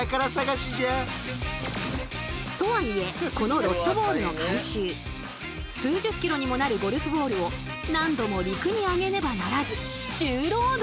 とはいえこのロストボールの回収数十キロにもなるゴルフボールを何度も陸に上げねばならず重労働。